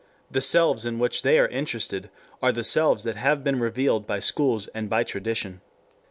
The selves in which they are interested are the selves that have been revealed by schools and by tradition.